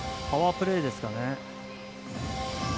パワープレーですかね。